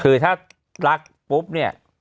คือถ้ารักปุ๊บเนี่ย